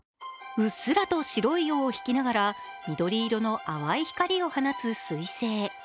うっすらと白い尾を引きながら緑色の淡い光を放つ彗星。